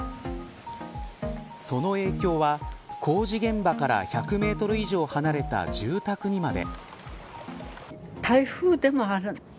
その影響は工事現場から１００メートル以上離れた住宅にまで。